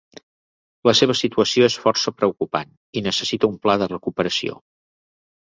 La seva situació és força preocupant i necessita un pla de recuperació.